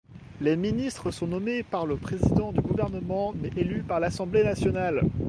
Les ministres sont nommés par le président du Gouvernement mais élus par l'Assemblée nationale.